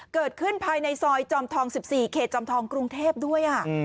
เกิดขึ้นภายในซอยจอมทอง๑๔เขตจอมทองกรุงเทพด้วยอ่ะ